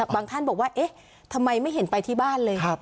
ท่านบอกว่าเอ๊ะทำไมไม่เห็นไปที่บ้านเลย